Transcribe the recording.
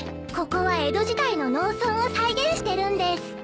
ここは江戸時代の農村を再現してるんです。